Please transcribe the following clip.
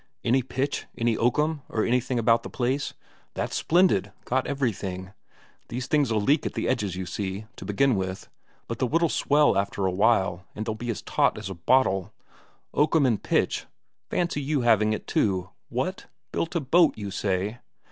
"Any pitch, any oakum, or anything about the place? That's splendid got everything. These things'll leak at the edges you see, to begin with, but the wood'll swell after a while, and they'll be as taut as a bottle. Oakum and pitch fancy you having it too! What? Built a boat, you say?